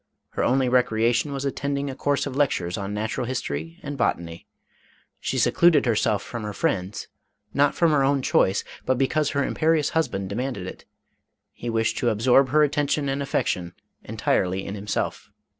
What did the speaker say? Her only recreation was attending a course of lectures on natural history and botany. She secluded herself from her friends, not from her own choice, but because her imperious husband demanded it ; he wished to ab sorb her attention and affection entirely in himself.